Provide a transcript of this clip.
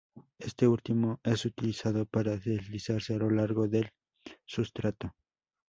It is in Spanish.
Este último es utilizado para deslizarse a lo largo del sustrato.